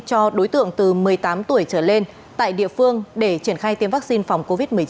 cho đối tượng từ một mươi tám tuổi trở lên tại địa phương để triển khai tiêm vaccine phòng covid một mươi chín